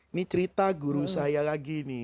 ini cerita guru saya lagi nih